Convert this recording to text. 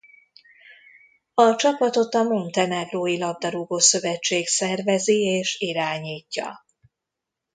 A csapatot a montenegrói labdarúgó-szövetség szervezi és irányítja.